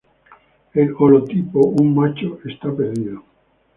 El holotipo, un macho, está perdido.